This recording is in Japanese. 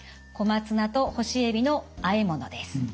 小松菜と干しえびのあえものです。